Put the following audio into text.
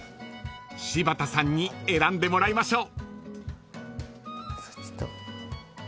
［柴田さんに選んでもらいましょう］